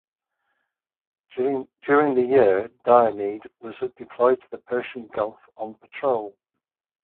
During that year, "Diomede" was deployed to the Persian Gulf on patrol.